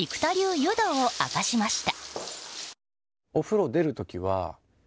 湯道を明かしました。